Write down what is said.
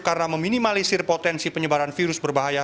karena meminimalisir potensi penyebaran virus berbahaya